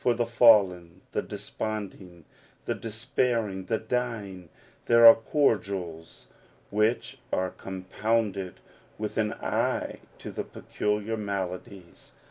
For the fallen, the desponding, the despairing, the dying, there are cordials which are compounded with an eye to their peculiar maladies.